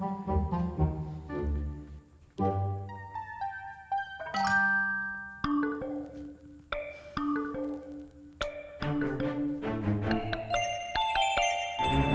dan aku tak bisa